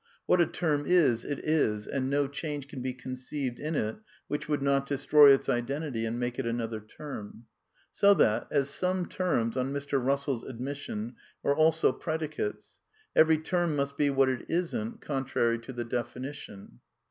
What a term is, it is and no change can be conceived in it which would not destroy its identity and make it another term." So i that, as some terms, on Mr. Eussell's admission, are also 1 7 p r edicates, every term must be what it isn't, contrary to ' the definition.